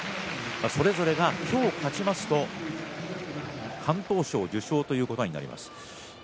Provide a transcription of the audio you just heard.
それぞれが今日勝ちますと敢闘賞受賞ということになります。